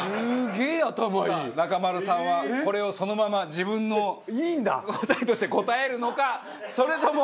さあ中丸さんはこれをそのまま自分の答えとして答えるのかそれとも。